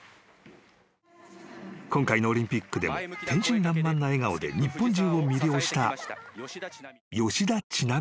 ［今回のオリンピックでも天真らんまんな笑顔で日本中を魅了した吉田知那美だった］